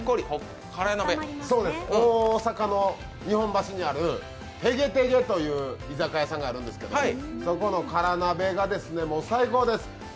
大阪の日本橋にあるてげてげという居酒屋さんがあるんですけどそこの辛鍋が最高です。